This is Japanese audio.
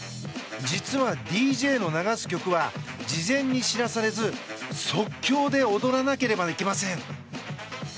実は、ＤＪの流す曲は事前に知らされず即興で踊らなければいけません。